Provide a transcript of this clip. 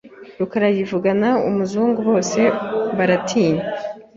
Rukara yivugana umuzungu bose baratinye